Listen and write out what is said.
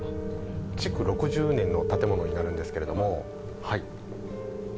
築６０年の建物になるんですけれどもはい。